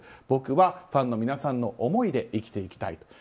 僕は、ファンの皆さんの思いで生きていきたい。